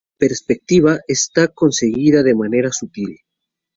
La perspectiva está conseguida de manera sutil.